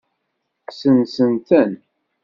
Sensen-ten.